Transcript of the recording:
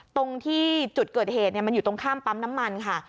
ตรงที่จุดเกิดเหตุมันอยู่ตรงข้ามปั๊มน้ำมันค่ะ